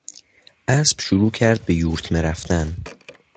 اسب شروع کرد به یورتمه رفتن.